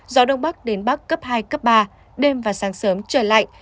gió đông bắc đến bắc cấp hai cấp ba đêm và sáng sớm trời lạnh